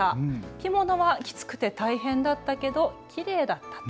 着物はきつくて大変だったけどきれいだった。